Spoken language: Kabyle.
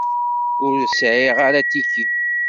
Ur sεiɣ ara atiki.